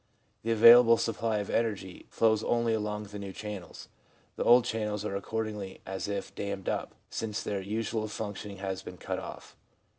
The available supply of nervous energy flows only along the new channels ; the old channels are accord ingly as if dammed up, since their usual functioning has been cut off.